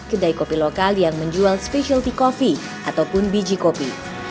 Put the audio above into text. kedai kopi lokal yang menjual specialty coffee ataupun biji kopi